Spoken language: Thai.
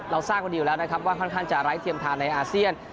ทราบมาดีอยู่แล้วนะครับว่าค่อนข้างจะไร้เทียมทานในอาเซียน